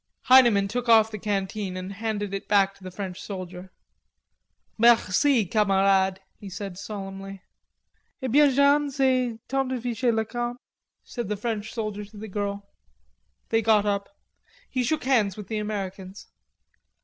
Heineman took off the canteen and handed it back to the French soldier. "Merci, Camarade," he said solemnly. "Eh bien, Jeanne, c'est temps de ficher le camp," said the French soldier to the girl. They got up. He shook hands with the Americans.